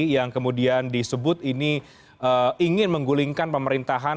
yang kemudian disebut ini ingin menggulingkan pemerintahan